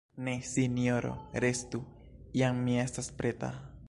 Ne, Sinjoro, restu; jam mi estas preta.